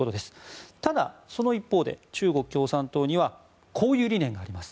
ただ、その一方で中国共産党にはこういう理念があります。